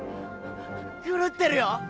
狂ってるよ！